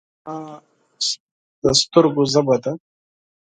ښایست د اشنا سترګو ژبه ده